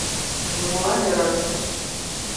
Нимолан ӧрын.